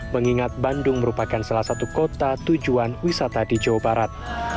mengingat bandung merupakan salah satu kota tujuan wisata di jawa barat